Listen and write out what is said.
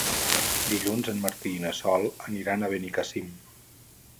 Dilluns en Martí i na Sol aniran a Benicàssim.